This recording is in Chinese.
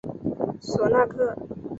索纳克。